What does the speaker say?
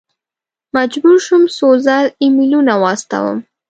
مجبور شوم څو ځل ایمیلونه واستوم.